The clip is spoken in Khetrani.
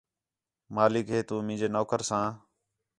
مالک ہے تو مینجے نوکر ساں